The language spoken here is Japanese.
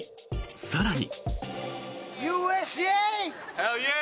更に。